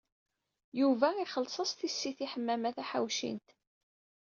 Yuba ixelleṣ-as tisit i Ḥemmama Taḥawcint.